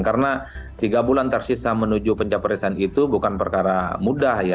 karena tiga bulan tersisa menuju pencapai resan itu bukan perkara mudah ya